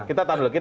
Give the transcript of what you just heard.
kita tahan dulu